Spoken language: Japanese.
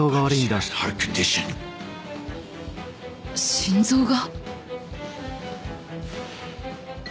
心臓が？